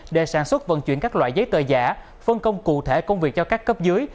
để sản xuất vận chuyển các loại giấy tờ giả phân công cụ thể công việc cho các cấp dưới